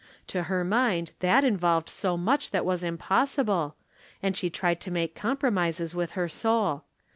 To her mind that involved so much that was impossible, and she tried to make compromises with her soul.